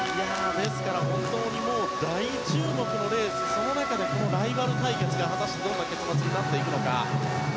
ですから本当にもう大注目のレースその中でこのライバル対決が果たしてどんな結末になっていくのか。